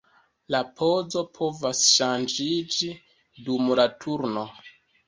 La pozo povas ŝanĝiĝi dum la turno.